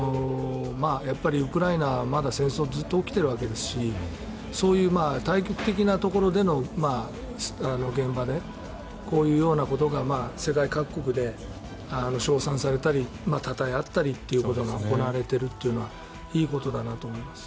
ウクライナ、まだ戦争ずっと起きているわけですしそういう大局的なところでの現場でこういうようなことが世界各国で称賛されたりたたえ合ったりということが行われているのはいいことだなと思います。